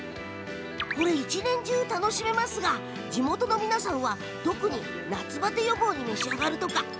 一年中、楽しめますが地元の皆さんは特に、夏バテ予防に召し上がるとか。